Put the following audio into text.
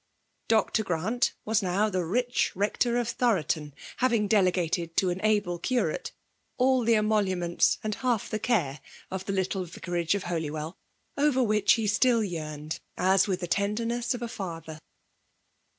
Dr. Grant was now the rich rector of Thoroton, having delegated to an able curate all the emoluments and half the care of the little vicarage of Holywell, over which he still yearned, as with the tenderness of a father.